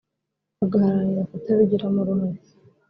bagaharanira kutabigiramo uruhare